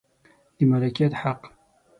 د مالکیت حق